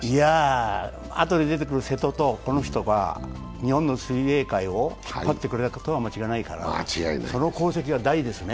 あとで出てくる瀬戸とこの人が日本の水泳界を引っ張ってくれたことは間違いないからその功績は大でね。